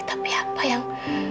tapi apa yang